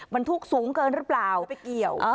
บรรทุกสูงเกินหรือเปล่าไปเกี่ยว